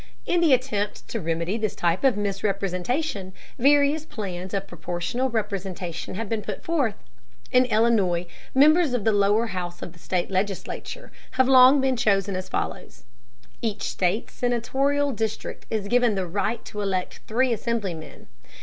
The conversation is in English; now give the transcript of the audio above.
In the attempt to remedy this type of misrepresentation various plans of proportional representation have been put forth. In Illinois members of the lower house of the state legislature have long been chosen as follows: Each state senatorial district is given the right to elect three assemblymen.